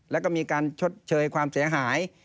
แล้วก็มีการชดเชยความเสียหาย